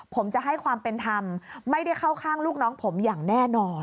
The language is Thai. ผมจะให้ความเป็นธรรมไม่ได้เข้าข้างลูกน้องผมอย่างแน่นอน